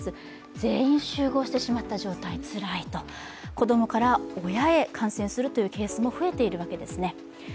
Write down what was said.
子供から親へ感染するというケースも増えているわけですね。